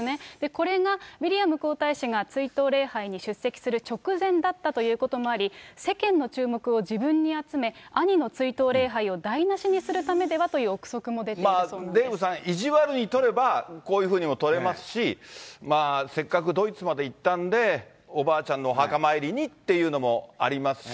これがウィリアム皇太子が追悼礼拝に出席する直前だったということもあり、世間の注目を自分に集め、兄の追悼礼拝を台なしにするためではという臆測も出ていたそうなデーブさん、意地悪に取ればこういうふうにも取れますし、せっかくドイツまで行ったんで、おばあちゃんのお墓参りにっていうのもありますし。